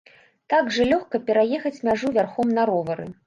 Так жа лёгка пераехаць мяжу вярхом на ровары!